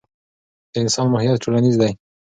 د انسان ماهیت ټولنیز دی.